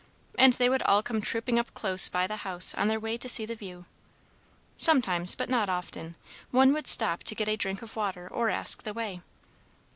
And they would all come trooping up close by the house, on their way to see the view. Sometimes, but not often, one would stop to get a drink of water or ask the way.